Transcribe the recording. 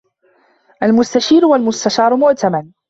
الْمُسْتَشِيرُ وَالْمُسْتَشَارُ مُؤْتَمَنٌ